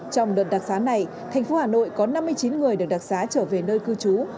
trong đợt đặc sá này tp hà nội có năm mươi chín người được đặc sá trở về nơi cư trú